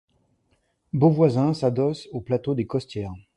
Beauvoisin s'adosse au plateau des Costières.